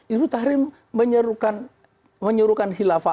itu tahrir menyuruhkan hilafah